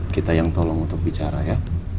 kita yang tolong untuk bicara ya